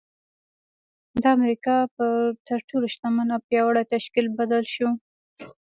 د امريکا پر تر ټولو شتمن او پياوړي تشکيل بدل شو.